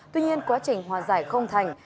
tuy nhiên quá trình hòa giải không thành